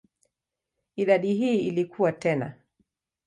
Idadi hii ilikua tena.